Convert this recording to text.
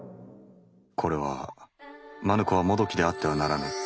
これは「マヌ子はモドキであってはならぬ。